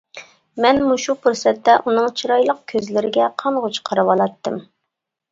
مەن مۇشۇ پۇرسەتتە ئۇنىڭ چىرايلىق كۆزلىرىگە قانغۇچە قارىۋالاتتىم.